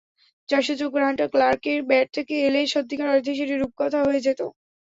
জয়সূচক রানটা ক্লার্কের bat থেকে এলে সত্যিকার অর্থেই সেটি রূপকথা হয়ে যেত।